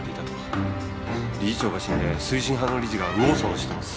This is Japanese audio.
理事長が死んで推進派の理事が右往左往してます。